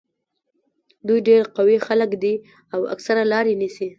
دوی ډېر قوي خلک دي او اکثره لارې نیسي.